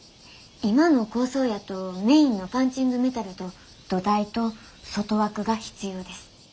今の構想やとメインのパンチングメタルと土台と外枠が必要です。